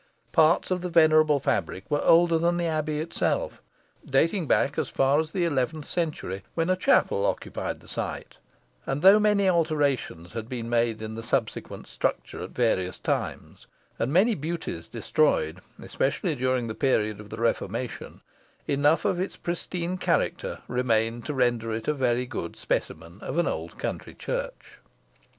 Parts of the venerable fabric were older than the Abbey itself, dating back as far as the eleventh century, when a chapel occupied the site; and though many alterations had been made in the subsequent structure at various times, and many beauties destroyed, especially during the period of the Reformation, enough of its pristine character remained to render it a very good specimen of an old country church.